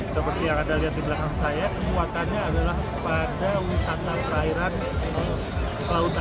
seperti yang anda lihat di belakang saya kekuatannya adalah pada wisata perairan laut